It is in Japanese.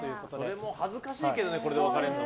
それも恥ずかしいけどこれで別れるの。